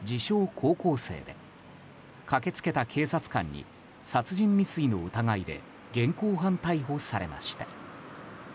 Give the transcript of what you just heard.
高校生で駆けつけた警察官に殺人未遂の疑いで現行犯逮捕されました。